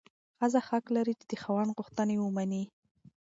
ښځه حق لري چې د خاوند غوښتنې ومني.